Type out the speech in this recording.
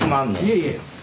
いえいえ。